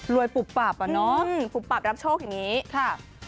รวยปุบปับเหรอเนอะปุบปับรับโชคอย่างนี้ค่ะค่ะ